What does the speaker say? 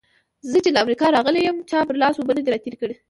زه چې له امريکا راغلی يم؛ چا پر لاس اوبه نه دې راتېرې کړې.